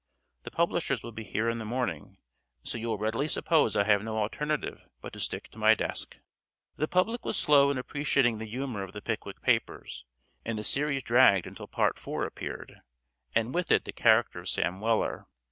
The publishers will be here in the morning, so you will readily suppose I have no alternative but to stick to my desk." The public was slow in appreciating the humor of the "Pickwick Papers," and the series dragged until Part IV appeared, and with it the character of Sam Weller.